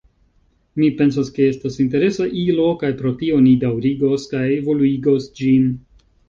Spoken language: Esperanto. Mi pensas ke estas interesa ilo, kaj pro tio ni daŭrigos kaj evoluigos ĝin.